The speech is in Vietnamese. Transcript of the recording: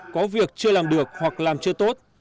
có việc chưa làm được hoặc làm chưa tốt